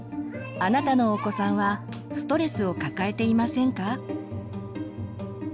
あなたのお子さんはストレスを抱えていませんか？